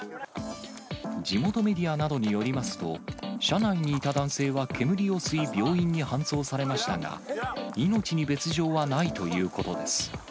地元メディアなどによりますと、車内にいた男性は煙を吸い病院に搬送されましたが、命に別状はないということです。